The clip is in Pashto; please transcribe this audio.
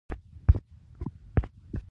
روزولټ په پیاوړي پروګرام سره بریالی شو.